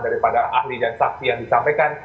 daripada ahli dan saksi yang disampaikan